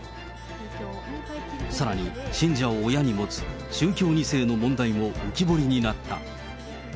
さらに信者を親に持つ宗教２世の問題も浮き彫りになった。